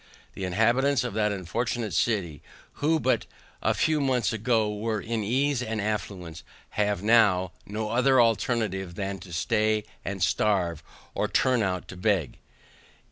The inhabitants of that unfortunate city, who but a few months ago were in ease and affluence, have now, no other alternative than to stay and starve, or turn out to beg.